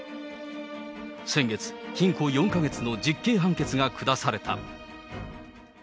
先月、禁錮４か月の実刑判決が下された。